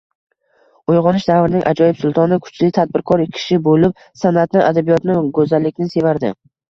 Uygʻonish davrining ajoyib sultoni, kuchli, tadbirkor kishi boʻlib, sanʼatni, adabiyotni, goʻzallikni sevardi”.